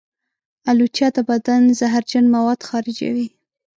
الوچه د بدن زهرجن مواد خارجوي.